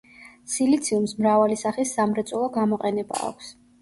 სილიციუმს მრავალი სახის სამრეწველო გამოყენება აქვს.